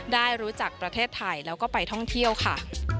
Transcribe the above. ได้รู้จักประเทศไทยแล้วก็ไปท่องเที่ยวค่ะ